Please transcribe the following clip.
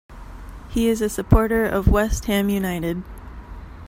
He is a supporter of West Ham United.